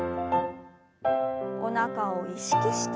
おなかを意識して。